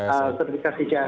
ya sertifikasi cis nya